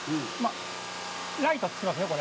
ライトつきますね、これ。